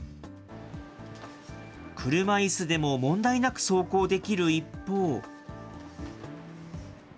車いすでも問題なく走行できる一方。